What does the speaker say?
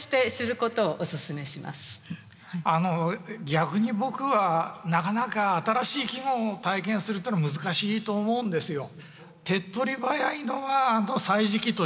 逆に僕はなかなか新しい季語を体験するっていうのは難しいと思うんですよ。